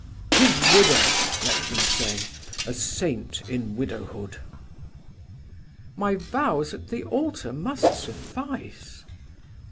'His widow!' let them say; a saint in widowhood." "My vows at the altar must suffice."